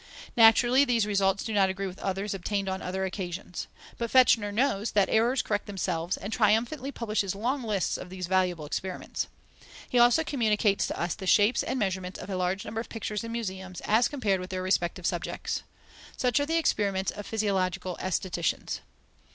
Naturally, these results do not agree with others obtained on other occasions, but Fechner knows that errors correct themselves, and triumphantly publishes long lists of these valuable experiments. He also communicates to us the shapes and measurements of a large number of pictures in museums, as compared with their respective subjects! Such are the experiments of physiological aestheticians.